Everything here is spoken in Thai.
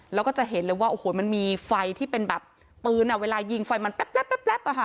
แล้วก็จะเห็นเลยว่าโอ้โหมันมีไฟที่เป็นแบบปืนเวลายิงไฟมันแป๊บอะค่ะ